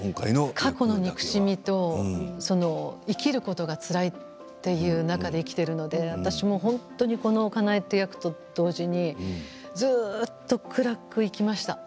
過去の憎しみと生きることがつらいという中で生きているので私は本当にこの香苗という役と同時にずっと暗くいきました